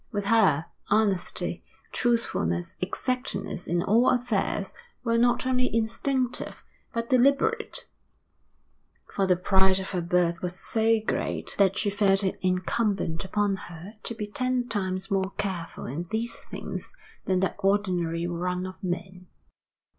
With her, honesty, truthfulness, exactness in all affairs, were not only instinctive, but deliberate; for the pride of her birth was so great that she felt it incumbent upon her to be ten times more careful in these things than the ordinary run of men.